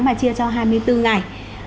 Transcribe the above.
mà chia cho hai mươi bốn ngày